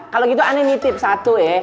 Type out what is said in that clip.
kalau gitu aneh nih tip satu ye